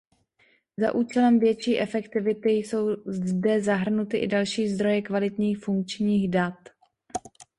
Za účelem větší efektivity jsou zde zahrnuty i další zdroje kvalitních funkčních dat.